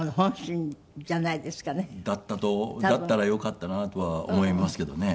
だったらよかったなとは思いますけどね。